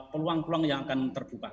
peluang peluang yang akan terbuka